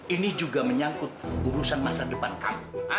ini juga menyangkut urusan masa depan kamu